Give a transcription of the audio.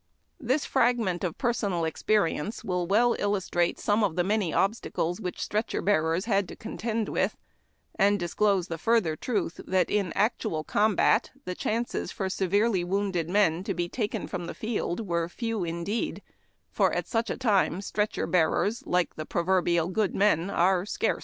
This frag ment of personal experience will well illustrate some of the many obstacles which stretcher bearers had to contend with, and disclose the further truth that in actual com bat the chances for severely wounded men to be taken from the field were few indeed, for at such a time stretcher bearers, like the proverbial •' good men," are scarce.